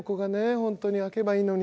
本当に開けばいいのに」。